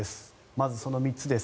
まずその３つです。